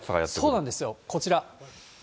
そうなんですよ、こちら。